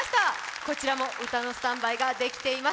こちらも歌のスタンバイできています。